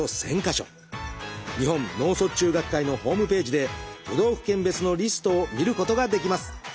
日本脳卒中学会のホームページで都道府県別のリストを見ることができます。